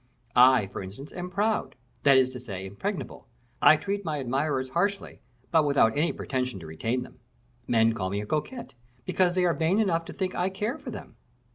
I, for instance, am proud; that is to say, impregnable. I treat my admirers harshly, but without any pretention to retain them. Men call me a coquette, because they are vain enough to think I care for them.